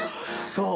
そう。